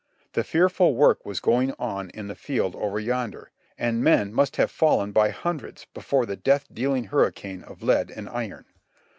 The fearful work was going on in the field over yonder; and men must have fallen by hundreds before that death dealing hur ricane of lead and iron.